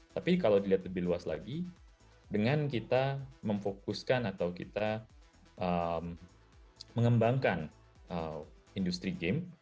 tapi kalau dilihat lebih luas lagi dengan kita memfokuskan atau kita mengembangkan industri game